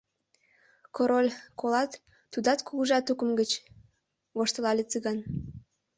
— Король, колат, тудат кугыжа тукым гыч! — воштылале Цыган.